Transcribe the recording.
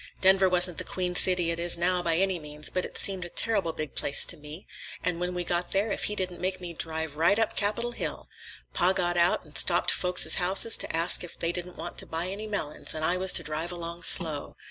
Denver wasn't the queen city it is now, by any means, but it seemed a terrible big place to me; and when we got there, if he didn't make me drive right up Capitol Hill! Pap got out and stopped at folkses houses to ask if they didn't want to buy any melons, and I was to drive along slow.